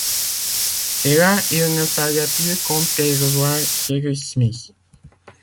Hélas ! il ne fallait plus compter revoir Cyrus Smith